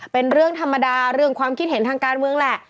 เป็นเรื่องธรรมดาเรื่องความคิดเห็นทางการเมืองแหละ